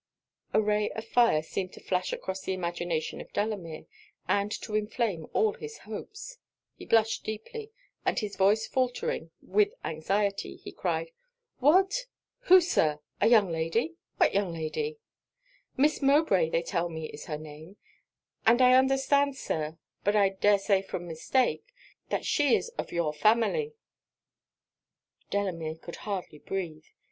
A ray of fire seemed to flash across the imagination of Delamere, and to inflame all his hopes. He blushed deeply, and his voice faultering with anxiety, he cried 'What? who, Sir? a young lady? what young lady?' 'Miss Mowbray, they tell me, is her name; and I understand, Sir but I dare say from mistake that she is of your family.' Delamere could hardly breathe.